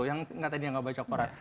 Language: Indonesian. yang nggak tadi yang nggak baca koran